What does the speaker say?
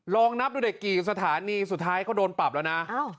ลองนับดูเด็กกี่สถานีสุดท้ายเขาโดนปรับแล้วนะ